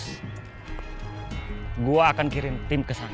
hai gua akan kirim tim kesana